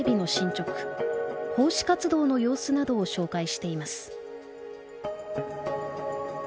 奉仕活動の様子などを紹介しています。